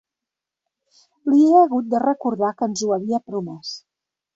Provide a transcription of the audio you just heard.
Li he hagut de recordar que ens ho havia promès.